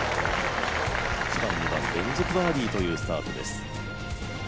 １番、２番、連続バーディーというスタートです。